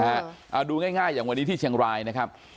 เอาดูง่ายอย่างวันนี้ที่เชียงรายนะครับ